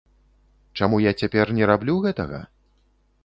Чаму я цяпер не раблю гэтага?